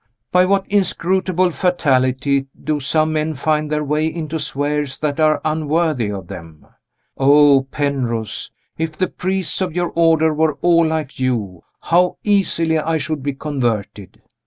By what inscrutable fatality do some men find their way into spheres that are unworthy of them? Oh, Penrose, if the priests of your Order were all like you, how easily I should be converted!